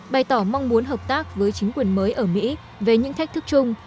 bày tỏ mong muốn hợp tác với chính quyền mới ở mỹ về những thách thức chung